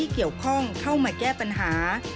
แก้ปัญหา